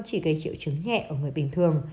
chỉ gây triệu chứng nhẹ ở người bình thường